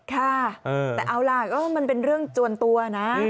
ค่ะแต่เอาล่ะก็มันเป็นเรื่องส่วนตัวนะ